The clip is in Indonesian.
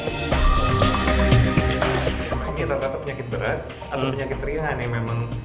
apakah penyakit berat atau penyakit rihan yang memang